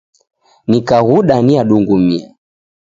Nikaghuda niadungumia